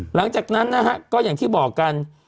หลังจากนั้นนะฮะก็อย่างที่บอกกัน